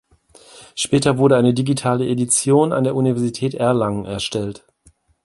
Später wurde eine digitale Edition an der Universität Erlangen erstellt.